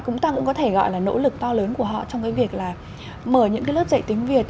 chúng ta cũng có thể gọi là nỗ lực to lớn của họ trong cái việc là mở những cái lớp dạy tiếng việt